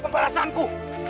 kamu bukan balasanku